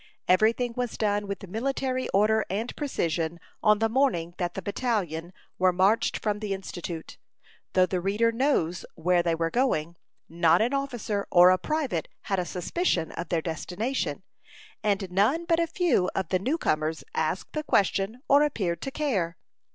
Every thing was done with military order and precision on the morning that the battalion marched from the Institute. Though the reader knows where they were going, not an officer or a private had a suspicion of their destination; and none but a few of the new comers asked the question, or appeared to care.